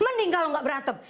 mending kalau nggak berantem